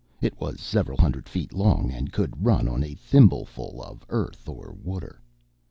It was several hundred feet long and could run on a thimbleful of earth or water.